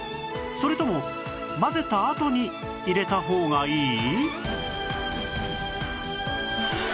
それとも混ぜたあとに入れた方がいい？